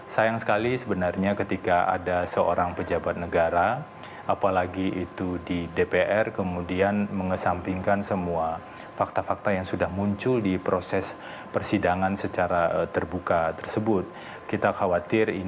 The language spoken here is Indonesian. sayang sekali sebenarnya ketika ada seorang pejabat negara apalagi itu di dpr kemudian mengesampingkan semua fakta fakta yang sudah muncul di proses persidangan secara terbuka tersebut